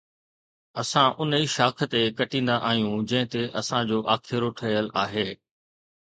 اسان ان ئي شاخ کي ڪٽيندا آهيون جنهن تي اسان جو آکيرو ٺهيل آهي.